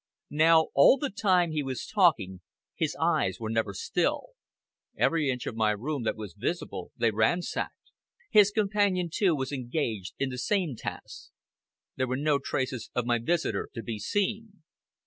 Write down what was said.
Now all the time he was talking his eyes were never still. Every inch of my room that was visible they ransacked. His companion, too, was engaged in the same task. There were no traces of my visitor to be seen.